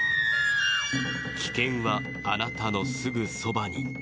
危険はあなたのすぐそばに。